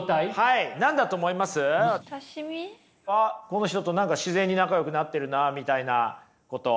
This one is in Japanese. この人と何か自然に仲よくなってるなみたいなこと。